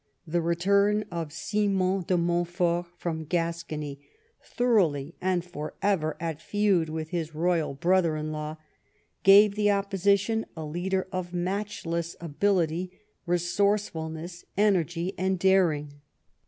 The return of Simon de Montfort from Gascony, thoroughly and for ever at feud with his royal brother in law, gave the opposition a leader of matchless ability, resourcefulness, energy, and daring.